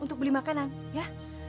untuk beli makanan ya